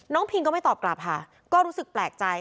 พิงก็ไม่ตอบกลับค่ะก็รู้สึกแปลกใจ